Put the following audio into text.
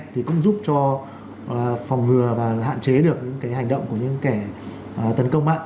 thì cũng giúp cho phòng ngừa và hạn chế được những hành động của những kẻ tấn công mạng